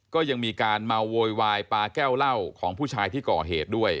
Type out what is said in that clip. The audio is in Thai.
ก็ยังมีการมาโวยวายปลาแก้วเหล้าของผู้ชายที่ก่อเหตุด้วย